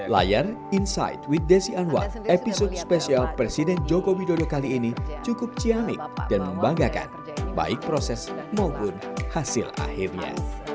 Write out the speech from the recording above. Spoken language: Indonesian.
layar insight with desi anwar episode spesial presiden joko widodo kali ini cukup ciamik dan membanggakan baik proses maupun hasil akhirnya